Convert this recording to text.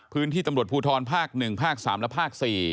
พื้นที่ตำรวจภูทรภาค๑ภาค๓และภาค๔